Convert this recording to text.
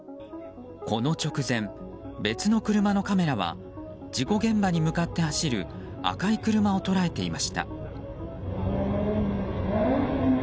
この直前、別の車のカメラは事故現場に向かって走る赤い車を捉えていました。